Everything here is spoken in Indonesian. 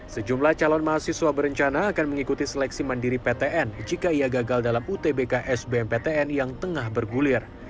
sejumlah calon mahasiswa berencana akan mengikuti seleksi mandiri ptn jika ia gagal dalam utbk sbmptn yang tengah bergulir